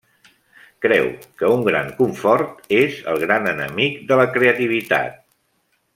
Creu que un gran confort és el gran enemic de la creativitat.